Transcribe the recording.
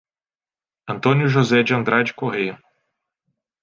Antônio José de Andrade Correia